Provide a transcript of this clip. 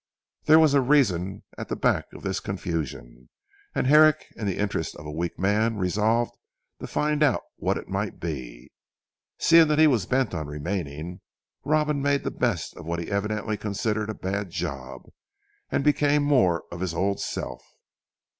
There was a reason at the back of this confusion, and Herrick in the interests of a weak man, resolved to find out what it might be. Seeing that he was bent on remaining, Robin made the best of what he evidently considered a bad job, and became more of his old self.